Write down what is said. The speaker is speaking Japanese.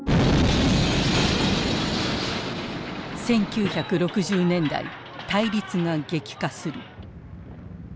１９６０年代対立が激化する。